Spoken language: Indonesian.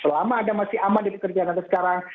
selama anda masih aman di pekerjaan anda sekarang